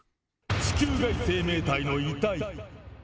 地球外生命体の遺体。